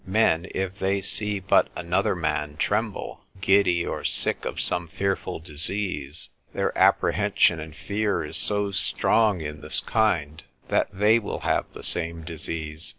Men, if they see but another man tremble, giddy or sick of some fearful disease, their apprehension and fear is so strong in this kind, that they will have the same disease.